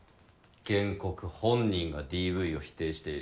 原告本人がＤＶを否定している。